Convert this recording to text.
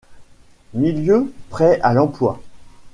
Milieu prêt à l'emploi.